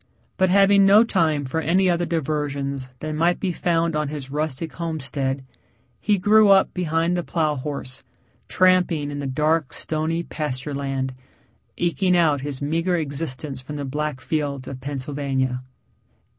But having no time for any other diversions than might be found on his rustic homestead, he grew up behind the plow horse, tramping in the dark, stony pasture land, eking out his meager existence from the black fields of Pennsylvania.